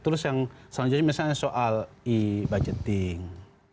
terus yang selanjutnya misalnya soal e budgeting